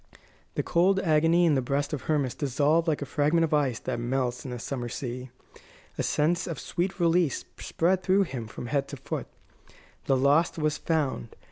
The cold agony in the breast of Hermas dissolved like a fragment of ice that melts in the summer sea. A sense of sweet release spread through him from head to foot. The lost was found.